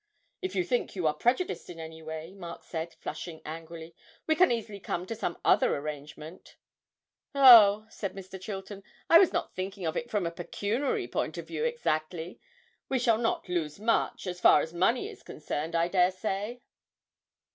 'If you think you are prejudiced in any way,' Mark said, flushing angrily, 'we can easily come to some other arrangement!' 'Oh,' said Mr. Chilton, 'I was not thinking of it from a pecuniary point of view exactly we shall not lose much as far as money is concerned, I dare say!'